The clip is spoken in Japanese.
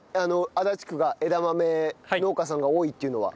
足立区が枝豆農家さんが多いっていうのは。